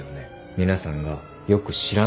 皆さんがよく知らない人物。